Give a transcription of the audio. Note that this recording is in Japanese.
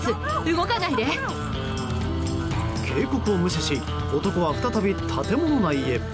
警告を無視し男は再び建物内へ。